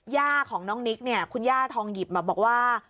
ย่าของน้องนิกเนี่ยคุณย่าทองหยิบมาบอกว่า